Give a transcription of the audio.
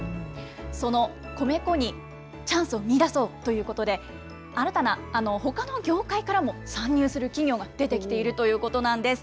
その米粉にチャンスを見いだそうということで、新たな、ほかの業界からも、参入する企業が出てきているということなんです。